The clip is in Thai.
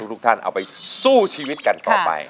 ทุกท่านเอาไปสู้ชีวิตกันต่อไป